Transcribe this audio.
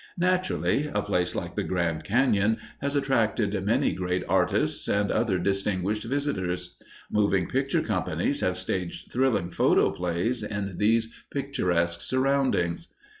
Naturally, a place like the Grand Cañon has attracted many great artists and other distinguished visitors. Moving picture companies have staged thrilling photo plays in these picturesque surroundings.